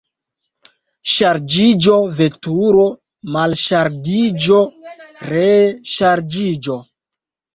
Ŝarĝiĝo, veturo, malŝargiĝo, ree ŝarĝiĝo.